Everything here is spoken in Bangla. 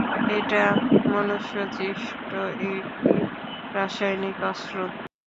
এটা মনুষ্য-সৃষ্ট একটি রাসায়নিক অস্ত্র।